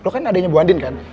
lo kan adanya bu andin kan